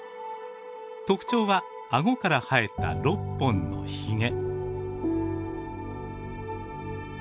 特徴は顎から生えた６本のひげ。